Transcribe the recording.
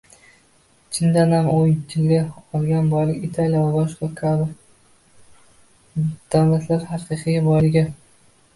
Chindanam u tilga olgan boylik Italiya va boshqa bu kabi davlatlarning haqiqiy boyligi